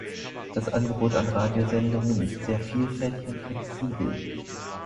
Das Angebot an Radiosendungen ist sehr vielfältig und flexibel.